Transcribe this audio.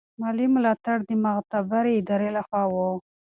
مالي ملاتړ د معتبرې ادارې له خوا و.